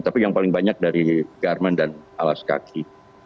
tapi yang paling banyak dari garmen dan alas kaki